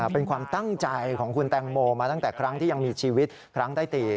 เป็นความตั้งใจของคุณแตงโมมาตั้งแต่ครั้งที่ยังมีชีวิตครั้งได้ตี